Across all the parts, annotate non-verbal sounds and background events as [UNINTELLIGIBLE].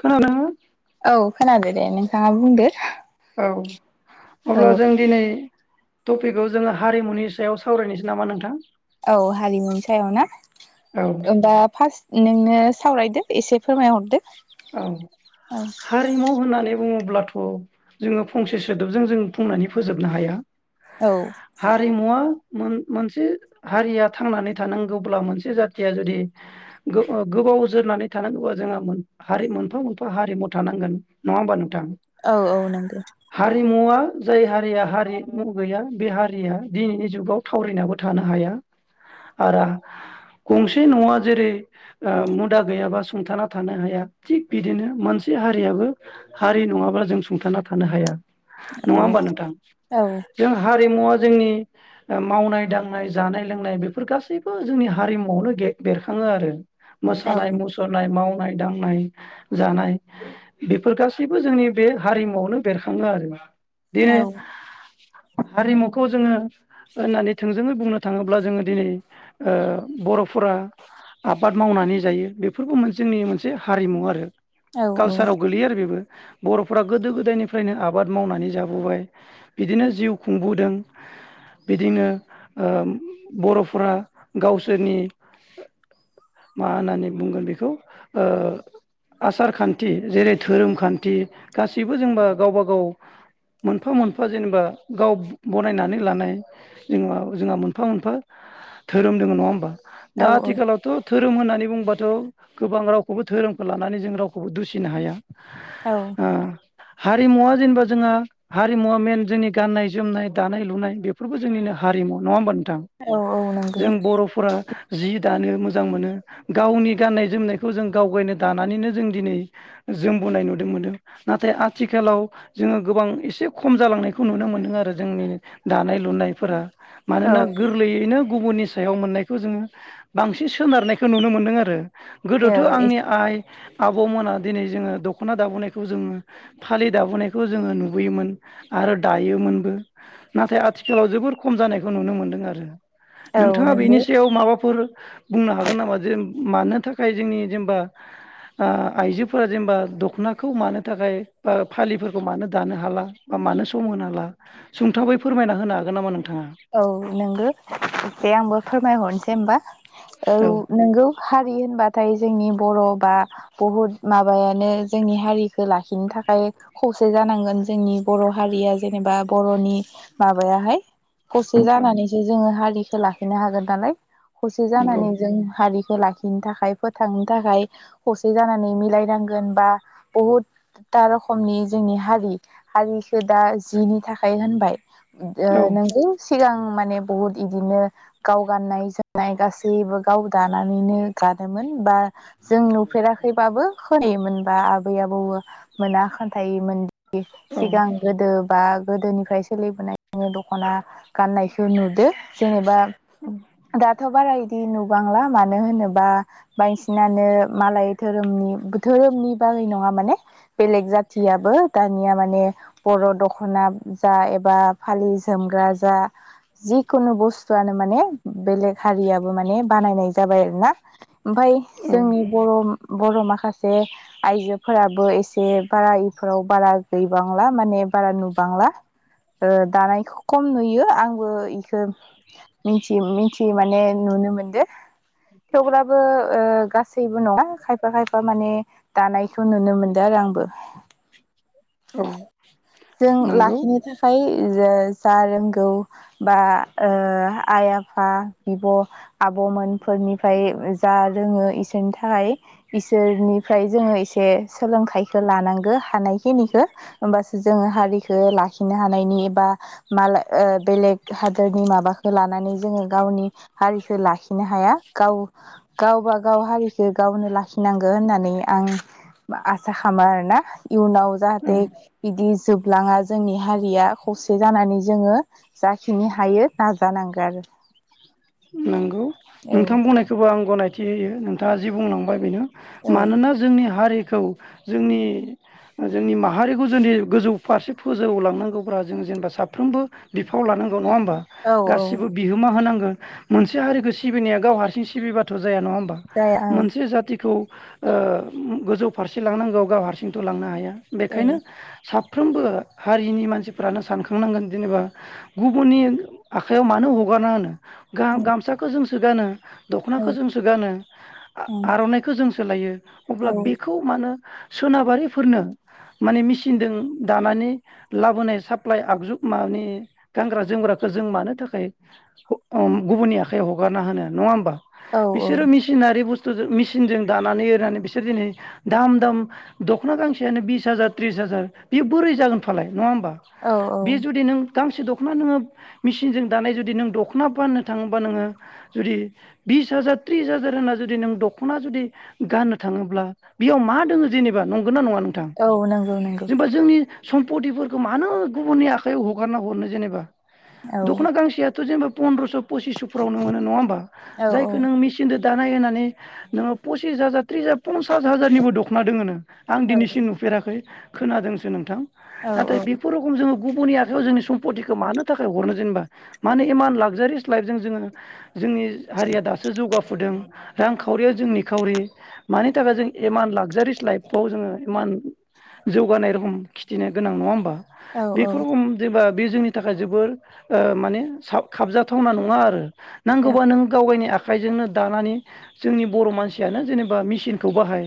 खोनादोंना औ खोनादो दे नोंथाङा बुंदो औ औ अब्ला जों दिनै टपिकखौ जोङो हारिमुनि सायाव सावरायनोसै नामा नोंथां? औ हारिमुनि सायाव ना औ दा फार्स्ट नोङो सावरायदो एसे फोरमायहरदो औ अब्लाथ' जोङो फंसे सोदोबजों जों बुंनानै फोजोबनो हाया। औ हारिमुआ मोनसे हया थांनानै थानांगौब्ला मोनसे जाथिया जुदि गो-गोबाव जोरनानै थानांगौबा जोंहा हारि मोनफा मोनफा हारिमु थानांगोन नङा होमबा नों थां औ औ नंगौ हारिमुवा जाय हारिया हारिमु गैया बे हारिया दिनैनि जुगाव थावरनाबो थानो हाया आरो गंसे न'आ जेरै ओ मुदा गैयाबा सुंथाना थानो हाया थिग बिदिनो मोनसे हारियाबो हारि नङाब्ला जों सुंथाना थानो हाया। नङा औ होमबा नोंथां औ जों हारिमुवा जोंनि मावनाय दांनाय जानाय लोंनाय बेफोर गासैबो जोंनि हारिमुआवनो बेरखाङो आरो। औ मोसानाय मुसुरनाय माव नाय दांनाय जानाय बेफोर गासैबो जोंनि बे हारिमुआवनो बेरखाङो आरो औ दिनो हारिमुखौ जोङो होननानै थोंजोङै बुंनो थाङोब्ला जोङो दिनै बर'फोरा आबाद मावनानै जायो बेफोरखौ जोंनि मोनसे हारिमु आरो। औ कालसाराव गोलैयो आरो बेबो बर'फोरा गोदो गोदायनिफ्रायनो आबाद मावनानै जाबोबाय बिदिनो जिउ खुंबोदों बिदिनो बर'फोरा गावसोरनि मा होननानै बुंगोन बेखौ आसार खान्थि जेरै धोरोम खान्थि गासैबो जेनबा गावबा गाव मोनफा मोनफा जेनेबा गाव बनायनानै लानाय जेनेबा जोंहा मोनफा मोनफा धोरोम दङ नङा होमबा। दा आथिखालावथ' धो धोरोम होननानै बुंबाथ' गोबां रावखौबो धोरोमखौ लानानै जों रावखौबो दुसिनो हाया। औ ओ हारिमुवा जेनेबा जोंहा हारिमुवा मेन जोंनि गाननाय जोमनाय दानाय लुनाय बेफोरबो जोंनिनो हारिमु नङा होमबा नों थां औ औ नंगौ जों बर'फोरा जि दानो मोजां मोनो। गावनि गाननाय जोमनायखौ जों गावगायनो दानानैनो जों दिनै जों बोनाय नुदों मोनो नाथाय आथिखालाव जोङो गोबां एसे खम जालांनायखौ नुनो मोनदों आरो जोंनि दानाय लुनायफोरा औ मानोना गोरलैयैनो गुबुननि सायाव मोननायखौ जोङो बांसिन सोनारनाय खौखौ नुनो मोन्दों आरो औ गोदोथ' आंनि आइ आबौमोना दिनै जोङो दख'ना दाबोनायखौ जोङो फालि दाबोनायखौ जोङो नुबोयोमोन आरो दायोमोनबो नाथाय आथिखालाव जोबोर खम जानायखौ नुनो मोन्दों आरो। औ नोंथाङा नंगौ बेनि सायाव माबाफोर बुंनो हागोन जों मानो थाखाय जोंनि जेनेबा ओ आइजोफोरा जेनेबा दख'नाखौ मानो थाखाय बा फालिफोरखौ मानो दानो हाला बा मानो सम होनो हाला सुंथाबै फोरमायना होनो हागोन नामा नों औ नोंगौ ए आंबो फोर माय हरनोसै होनबा औ नोंगौ हारि होनबा नाथाय जोंनि बर' बा बहुद माबायानो जोंनि हारिखौ लाखिनो थाखाय खौसे जानांगोन जोंनि बर' हारिया जेनेबा बर'नि माबायाहाय खौसे औ जानानैसो जोङो हारिखौ लाखिनो हागोन नालाय। खौसे नंगौ जानानै जों हारि लाखिनो थाखाय फोथांनो थाखाय खौसे जानानै मिलायनांगोन बा बहुदथा रोखमनि जोंनि हारि हारिखो दा जिनि थाखाय होनबाय। ओ औ नंगौ सिगां माने बुहुत इदिनो गाव गाननाय जोमनाय गासैबो गाव दानानैनो गानोमोन बा जों नुफेराखैबाबो खोनायोमोन बा आबै आबौ मोना खोनथायोमोन। औ सिगां गोदो बा गोदोनिफ्राय सोलिबोनायनि दख'ना गाननायखौ नुदो जेनेबा दाथ' बारा इदि नु बांला मानो होनोबा बांसिनानो मालाय धोरोमनि धोरोमनि बागै नङा माने बेलेग जाथियाबो दानिया माने बर' दख'ना जा एबा फालि जोमग्रा जा जिखुनु बस्थुआनो माने बेलेग हारियाबो माने बानायनाय जाबाय आरोना। ओमफाय औ जोंनि बर' बर' माखासे आइजोफोराबो एसे बारा इफोराव बारा गैबांला माने बारा नुबांला ओ दानायखौ खम नुयो आं बो इखौ मिथियो मिथियो माने नुनो मोनदो। थेवब्लाबो ओ गासैबो नङा खायफा खायफा माने दानायखौ नुनो मोनदों आरो आंबो औ। जों नंगौ लाखिनो थाखाय जो जा रोंगौ बा ओ आइ आफा बिब' आब' मोनफोरनिफ्राय जा रोङो इसोरनि थाखाय इसोरनिफ्राय जोङो एसे से सोलोंथाइखो लानांगो हानायखिनिखौ होमबास जों हारिखो लाखिनो हानायनि बा मालाय ओ बेलेग हारि नि माबाखौ लानानै जोङो गावनि हारिखो लाखिनो हाया गाव गावबा गाव हारिखो गावनो लाखिनांगौ होननानै आं आसा खामो आरोना। इउनाव औ जाहाथे जोबलाङा जोंनि हारिया खौसे जानानै जोङो जाखिनि हायो नाजानांगो आरो। नोंगौ नोंथां बुंनायखौबो आं गनायथि होयो नोंथाङा जि बुंलांबाय बेनो औ मानोना जोंनि हारि खौ जोंनि जोंनि माहारिखौ जुदि गोजौ फारसे फोजौलांनांगौब्ला जों जेनेबा साफ्रोमबो बिफाव लानांगौ नङा होम बा औ औ गासिबो बिहोमा होनांगोन। मोनसे हारिखौ सिबिनाया गाव हारसिं सिबिबाथ' जाया नङा होमबा जाया औ मोनसे जाथिखौ ओ गोजौ फारसे लांनांगौ गाव हारसिंथ' लांनो हाया। औ बेखायनो साफ फ्रोमबो हारिनि मानसिफ्रानो सानखांनांगोन जेनेबा गुबुननि आखायाव मानो हगारना होनो। गा गामसाखौ जों सो गानो। औ दख'नाखौ जोंसो गानो औ आर'नाइखौ जोंसो लायो अब्ला बेखौ मानो सोनाबारिफोरनो माने मेचिनदों दानानै लाबोनाय साप्लाइ आगजु माने गानग्रा जोमग्राखौ जों मानो थाखाय ओम गुबुननि आखायाव हगारना होनो नङा होमबा? औ बिसोरो मेसिनारि बुस [UNINTELLIGIBLE] मेचिनजों दानानै एरनानै बिसोर दिनै दाम दाम दख'ना गांसेयानो बिस हाजार त्रिस हाजार बियो बोरै जागोन फालाय नङा होमबा औ बे औ जुदि नों गांसे दख'ना नोङो मिसिनजों दानाय जुदि नों दख' दख'ना फाननो थाङोबा नोङो जुदि बिस हाजार त्रिस हाजार होनना जुदि नों दख'ना जुदि गाननो थाङोब्ला बेयाव मा दङो जेनेबा नं गौना नङा नोंथां औ नंगौ नंगौ जेनेबा जोंनि सम्पतिफोरखौ मानो गुबुननि आखाइायाव हगारना हरनो जेनेबा औ दखना खांसेयाथ' जेनबा फन्द्रस' पसिस'फोरावनो मोनो नङा होमबा औ जायखौ नों मेसिनदो दानाय होनानै नोङो पसिस हाजार पन्सास हाजारनिबो दख'ना दङोनो आं औ दिनैसिम नुफेराखै खोनादोंसो नोंथां औ नाथाय बेफर रखम जोङो गुबुननि आखायाव जोंनि सम्पतिखौ मानो थाखाय हरनो जेनेबा मानो इमान लाफ जेरिस लाइफजों जोङो जोंनि हारिया दासो जौगाफुदों रां खा खावरिया जोंनि खावरि मानि थाखाय जों इमान लागजारिस लाइफआव जोङो इमान जौगानाय रखोम खिथिनो गोनां नङा होमबा? औ [UNINTELLIGIBLE] बे जोंनि थाखाय जोबोर ओ माने सा खाबजाथावना नङा आरो औ नांगौबा नों गाव गायनि आखा आखाइजोंनो दानानै जोंनि बर' मानसियानो जेनेबा मेसिनखौ बाहाय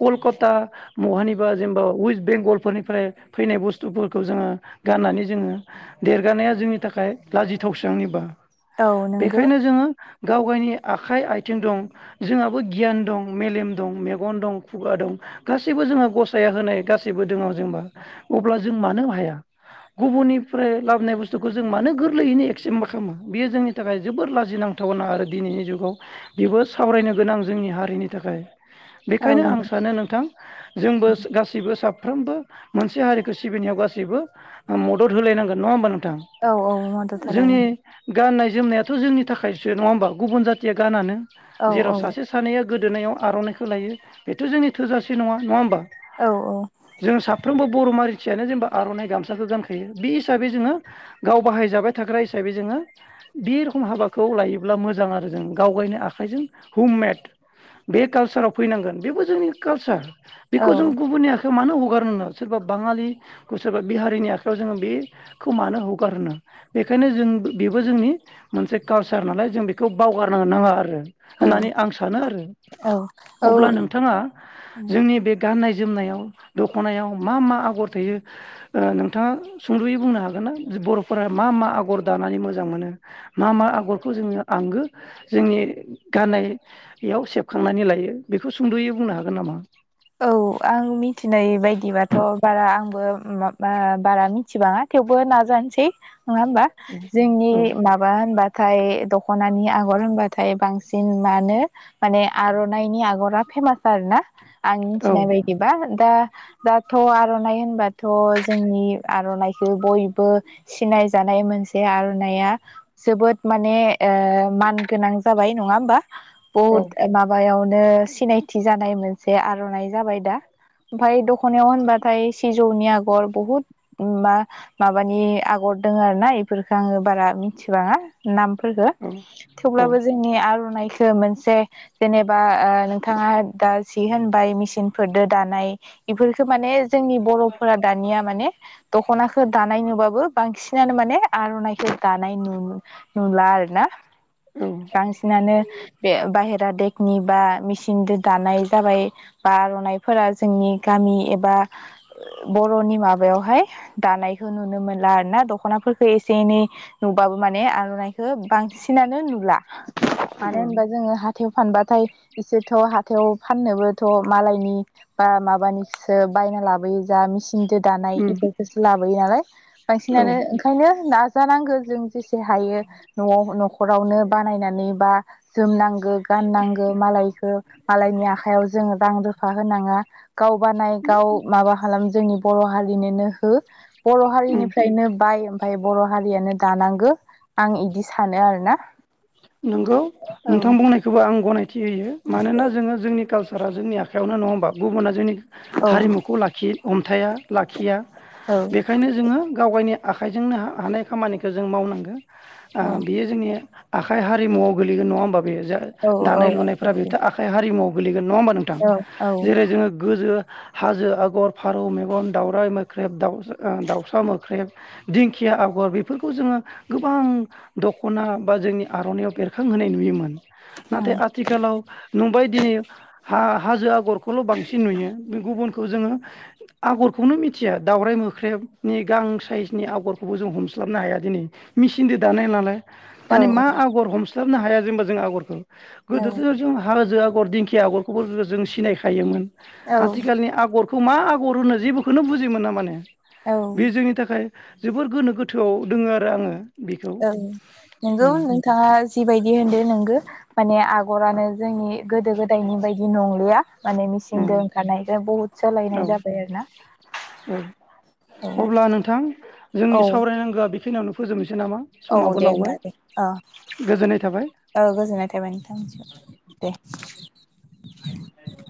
कलकता बहानिबा जेनेबा वेस्ट बेंगलफोरनिफ्राय फैनाय बुस्थुफोरखौ जोङो गाननानै जोङो देरगानाया जोंनि थाखाय लाजि थौस्रांनिबा औ नंगौ बेखायनो जोङो गाव गावनि आखाइ आथिं दं जोंहाबो गियान दं मेलेम दं मेगन दं खुगा दं गासैबो जोंहा गसाइया होनाय गासैबो दङ जेनबा अब्ला जों मानो हाया गुबुननिफ्राय लाबोनाय बुस्थुखौ जों मानो गोरलैयैनो ए [UNINTELLIGIBLE] बियो जोंनि थाखाय जोबोर लाजिनांथावना आरो दिनैनि जुगाव बेबो सावरायनो गोनां जोंनि हारिनि थाखाय औ बेखायनो आं सानो नोंथां जोंबो गासैबो सा साफ्रोमबो मोनसे हारिखौ सिबिनायाव गासैबो मदद होलायनांगोन नङा होमबा नों औ-औ मदद जोंनि होलायनांगौ गाननाय जोमनायाथ' जोंनि थाखायसो नङा होमबा गुबुन जाथिया गानानो जेराव औ सासे सानैया गोदोनायाव आर'नाइखौ लायो बेथ' जोंनि थोजासे नङा नङा होमबा? औ जों साफ्रोमबो बर'माहारि सियानो जेनेबा आर'नाइ गामसाखौ गानखायो बे हिसाबै जोङो गाव बाहाय जाबाय थाग्रा हिसाबै जोङो बे रखम हाबाखौ लायोब्ला मोजां आरो जों गावगायनो आखाइजों हममेड बे कालसाराव फैनांगोन बेबो जोंनि कालसार औ बेखौ जों गुबुननि आखा खौ मानो हगारो सोरबा बाङालि सोरबा बिहारिनि आखायाव जोङो बेखौ मानो हगारनो बेखायनो जों बेबो जोंनि मोनसे कालसार नालाय जों बेखौ बावगारनो नाङा आरो औ होननानै आं सानो आरो औ औ अब्ला नोंथाङा औ जोंनि बे गाननाय जोमनायाव दख'नायाव मा मा आगर थायो ओ नोंथाङा सुंदयै बुंनो हागोन ना बर'फोरा मा मा आगर दानानै मोजां मोनो मा मा आगरखौ जोङो आंगो जोंनि गाननायाव सेबखांनानै लायो बेखौ सुंद'यै बुंनो हागोन नामा? औ आं मिथिनाय बायदिबाथ' बारा आंबो माबा बारामि थिबांआ। थवबो नाजानोसै नङा होमबा जोंनि औ माबा होनबाथाय दख ख'नानि आगर होनबाथाय बांसिन मानो माने आर'नाइनि आगरा फेमास आरो ना आं औ मिथिनाय बायदिबा दा दाथ' आर'नाइ होनबाथ' जोंनि आर'नाइखौ बयबो सिनायजानाय मोनसे आर'नाया जोबोद माने ओ मान गोनां जाबाय। नङा होमबा। औ बहुद माबायावनो ओ सिनायथि जानाय मोन से आर'नाइ जाबाय दा ओमफाय दख'नायाव होनबाथाय सिजौनि आगर बहुद मा माबानि आगर दङ आरो ना इफोरखो आङो बारा मिथिबाङा नाम फोरखो औ थेवब्लाबो जोंनि आर'नाइ खो मोनसे जेनेबा नोंथाङा दा सि होनबाय मेसिनफोरदो दानाय इफोरखो माने जोंनि बर'फोरा दानिया माने दख'नाखो दानाय नुबाबो बांसिनानो माने आर'नाइखौ दानाय नु नुला आरोना। औ बांसिनानो बे बाहेर ट्रादेकनि बा मेसिनजो दानाय जाबाय बा आर'नाइफोरा जोंनि गामि एबा बर'नि माबायावहाय दानायखौ नुनो मोनला आरोना दख'नाफोरखौ एसे एनै नुबाबो माने आर'नाइखौ बांसिनानो नुला। औ मानो होनबा जोङो हा थायाव फानबाथाय इसोरथ' हाथायाव फाननोबोथ' मालायनि बा माबानिसो बायना लाबोयो जा मिसिन दो दानाय उम इफोरखोसो लाबोयो नालाय औ बांसिनानो ओंखायनो दा जानांगो जों जेसे हायो न'आव न'ख नखरावनो बानायनानै बा जोमनां गो गाननांगो मालयखो मालनि आ खायाव जोङो दां‌ दो फा होनाङा। गाव बानाय गाव माबा खालाम जोंनि बर' हारि बिनोनो हो बर' उम हारिनिफ्रायनो बाय ओमफ्राय बर' हारियानो दानांगो आं इदि सानो आरो ना। नंगौ नोंथां बुंनायखौबो आं गनाय थि होयो मानोना जोंओ जोंनि काल सारा जोंनि आखायावयाव नङामबा गुबुना जोंनि औ हारिमुखौ लाखि अन्थाइआ लाखिया औ औ बेखायनो जोङो गावगायनि आखाइजोंनो हा-हानाय खामानिखो जों मावनांगो ओ बियो जोंनि आखाइ हरिमुआव गोलैगोन नङा होमबा? बे जो दानाय औ लुनायफोरा बेथ' आखाइ हारिमुआव गोलैगोन नङा होमबा नोंथां औ जेरै जोङो गोजो हाजो आगर फारौ मेगन दाउराइ मोख्रेब दाउ गां दाउसा मोख्रेब आर'नायाव बेरखांहोनाय नुयोमोन। नाथाय आथिखालाव नुबाय दिनै। हा हाजो आगरखौल' बांसिन नुयो बे गुबुनखौ आगर खौनो मिथिआ [UNINTELLIGIBLE] औ माने औ। मा हमस्लाबनो हाया जेनबा जों आगरखौ। गोदोथ' जों हाजोआव आगर दिंखिया आगरखौबो जों सिनायखायोमोन औ औ। आथिखालनि आगर खौ मा आगर होनो जेबोखोनो बुजि मोना माने बे जोंनि थाखाय जोबोर गोनो गोथोआव दोङो आरो आङो बेखौ ओं नोंगौ उम नोंथ थाङा जिबायदि होनदो नोंगो माने आ गरानो जोंनि गोदो गोदायनि बायदि नंलिया माने उम मेचिनदो ओंखारनायनो बहुद औ सोलायनाय जाबाय आरो ना औ अब्ला औ औ खिनावनो फोजोबनोसै नामा औ समाबो दे लावबाय होनबा दे ओ गोजोननाय थाबाय औ गोजोननाय थाबबाय नोंथांनिसिम। दे [INAUDIBLE]